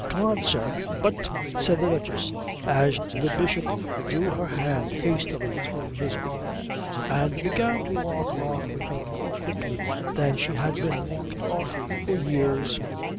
"Come on, sir " "But " said the Duchess, as the Bishop drew her hand hastily through his arm and began to walk her off more quickly than she had been walked off for years.